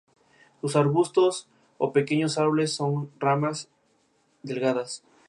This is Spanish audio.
La película se desarrolla en la Universidad de Berkeley.